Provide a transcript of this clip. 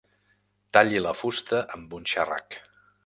Talli la fusta amb un xerrac.